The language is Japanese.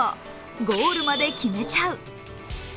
ゴールまで決めちゃう。